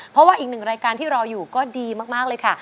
เพราะว่าอีกหนึ่งรายการที่รออยู่ก็ดีมากเลยค่ะ